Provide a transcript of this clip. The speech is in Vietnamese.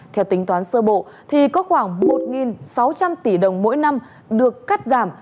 theo tính toán sơ bộ thì có khoảng một sáu trăm linh tỷ đồng mỗi năm được cắt giảm